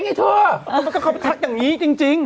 เขาไปทักอย่างนี้จริง